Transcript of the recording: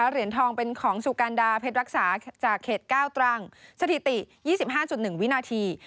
เหรียญทองเป็นของสุกาลดาเพชรรักษาจากเขตเก้าตรังสถิติยี่สิบห้าจุดหนึ่งวินาที